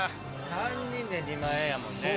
３人で２万円やもんね。